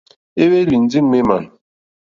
É hwélì ndí ŋmémà.